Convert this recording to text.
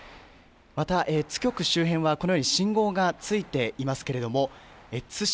また津局周辺は、このように信号がついていますけれども、津市、